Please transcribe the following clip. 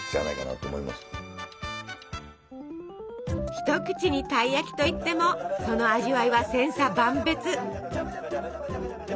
一口に「たい焼き」といってもその味わいは千差万別。